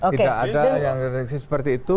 tidak ada yang reneksi seperti itu